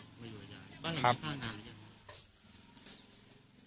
บ้านแห่งนี้สร้างนานหรือยังครับ